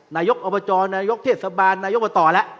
นายกอบจนายกเทศบาลนายกบตแล้ว